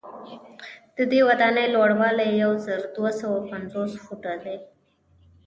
ددې ودانۍ لوړوالی یو زر دوه سوه پنځوس فوټه دی.